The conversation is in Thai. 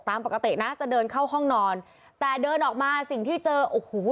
ตามปกตินะจะเดินเข้าห้องนอนแต่เดินออกมาสิ่งที่เจอโอ้โห